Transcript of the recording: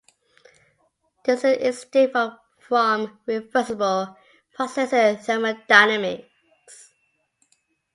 This is distinct from reversible process in thermodynamics.